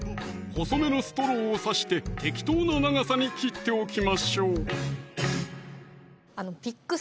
細めのストローを刺して適当な長さに切っておきましょうピック